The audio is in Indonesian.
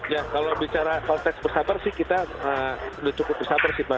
ya kalau bicara konteks bersabar sih kita sudah cukup bersabar sih mbak